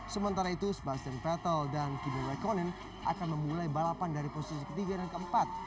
sementara itu sebastian vettel dan kimi rekonen akan memulai balapan dari posisi ketiga dan keempat